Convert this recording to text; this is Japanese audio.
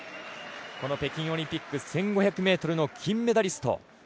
北京オリンピック１５００ｍの金メダリスト。